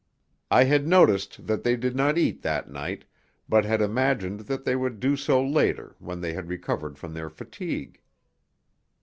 I had noticed that they did not eat that night, but had imagined that they would do so later when they had recovered from their fatigue.